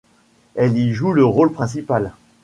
Elle y joue le rôle principal.